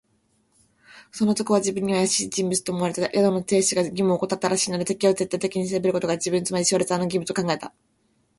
この男は自分にはあやしい人物と思われた。宿の亭主が義務をおこたったらしいので、事を徹底的に調べることが、自分、つまりシュワルツァーの義務と考えた。